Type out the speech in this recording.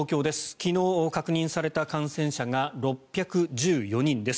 昨日、確認された感染者が６１４人です。